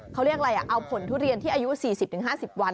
เขาเรียกอะไรเอาผลทุเรียนที่อายุ๔๐๕๐วัน